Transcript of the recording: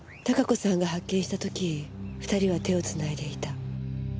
多香子さんが発見した時２人は手を繋いでいた。